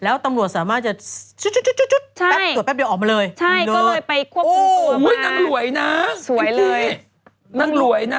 แล้วตำรวจสามารถจะสุดตรวจแป๊บเดียวออกมาเลย